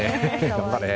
頑張れ！